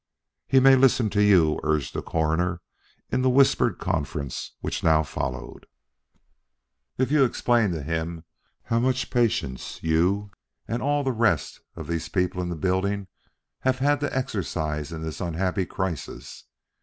"He may listen to you," urged the Coroner in the whispered conference which now followed, "if you explain to him how much patience you and all the rest of the people in the building have had to exercise in this unhappy crisis.